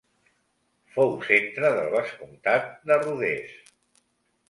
Fou centre del vescomtat de Rodés.